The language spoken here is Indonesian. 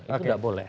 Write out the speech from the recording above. itu tidak boleh